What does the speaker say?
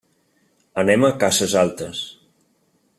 Anem a Casas Altas.